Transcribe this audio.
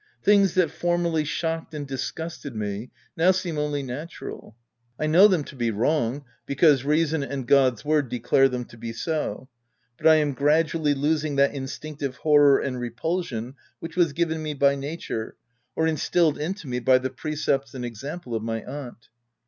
Things that formerly shocked and disgusted me, now seem only natural. I know them to be wrong, because reason and God's word declare them to be so ; but I am gradually losing that instinctive horror and repulsion which was given me by nature, or instilled into me by the pre cepts and example of my aunt.